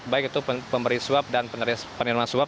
baik itu pemberi suap dan penerimaan suap